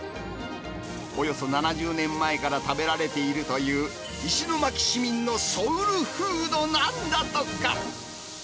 およそ７０年前から食べられているという石巻市民のソウルフードなんだとか。